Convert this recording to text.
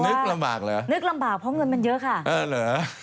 หล่อเลี้ยงพูดง่ายคือหล่อเลี้ยงเอาไว้เป็นโลกมนุษย์ในการป้องกันพูดมันตรงไอ้กิจกรรม